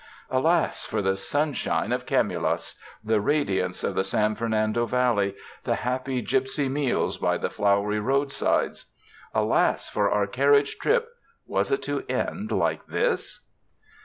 Alas for the sunshine of Camulos, the radi ance of the San Fernando Valley, the happy gypsy meals by the flowery roadsides ; alas for our carriage trip — was it to end like this!